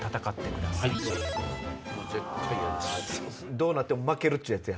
どうなっても負けるやつや。